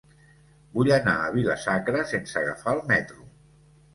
Vull anar a Vila-sacra sense agafar el metro.